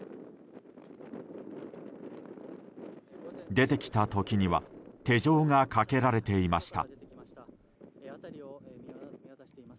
出てきた時には手錠がかけられていました。